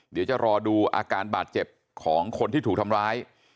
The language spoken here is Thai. เดี๋ยวจะรอดูอาการบาดเจ็บของคนที่ถูกทำร้าย